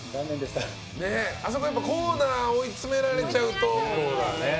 コーナーに追い詰められちゃうと。